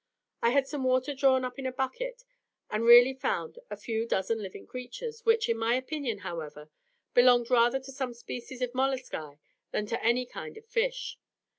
I had some water drawn up in a bucket, and really found a few dozen living creatures, which, in my opinion, however, belonged rather to some species of molluscae than to any kind of fish.